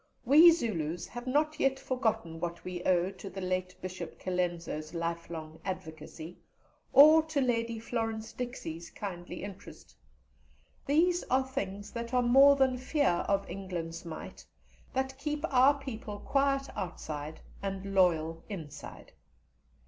We Zulus have not yet forgotten what we owe to the late Bishop Colenso's lifelong advocacy, or to Lady Florence Dixie's kindly interest. These are things that are more than fear of England's might, that keep our people quiet outside and loyal inside.